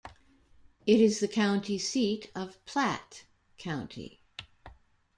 It is the county seat of Platte County.